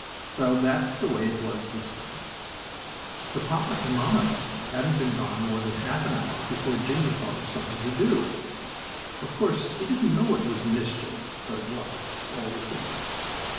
Well, that's the way it was this time. The papa and mamma ducks hadn't been gone more than half an hour before Jimmie thought of something to do. Of course, he didn't know it was mischief but it was, all the same.